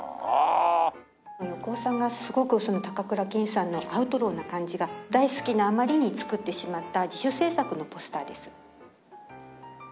横尾さんがすごくその高倉健さんのアウトローな感じが大好きなあまりに作ってしまった自主制作のポスターです。